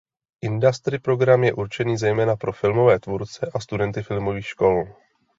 Industry program je určený zejména pro filmové tvůrce a studenty filmových škol.